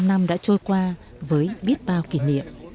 bảy mươi năm năm đã trôi qua với biết bao kỷ niệm